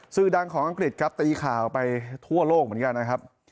ชื่อดังของอังกฤษครับตีข่าวไปทั่วโลกเหมือนกันนะครับ